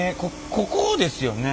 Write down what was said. ここですよね？